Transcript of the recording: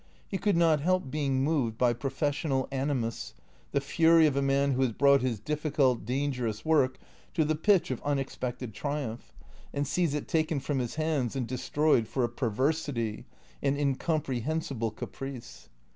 He could not help being moved by professional animus, the fury of a man who has brought his dif ficult, dangerous work to the pitch of unexpected triumph, and sees it taken from his hands and destroyed for a perversity, an incomprehensible caprice.